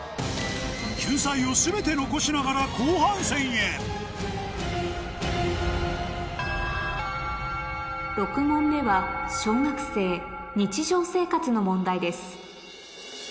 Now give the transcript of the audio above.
救済を全て残しながら後半戦へ６問目は小学生の問題です